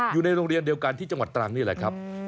อยู่ในโรงเรียนเดียวกันที่จังหวัดตรังนี่แหละครับ